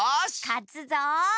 かつぞ。